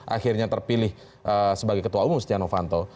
akhirnya terpilih sebagai ketua umum setia novanto